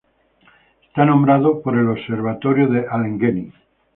Está nombrado por el observatorio de Allegheny.